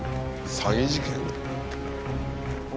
詐欺事件？